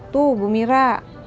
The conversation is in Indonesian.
tuh bu mira